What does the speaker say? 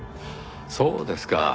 そうですか。